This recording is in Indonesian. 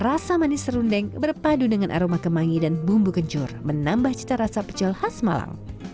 rasa manis rundeng berpadu dengan aroma kemangi dan bumbu kencur menambah cita rasa pecel khas malang